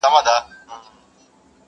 خدای ورکړی داسي ږغ داسي آواز و,